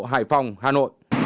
hải phòng hà nội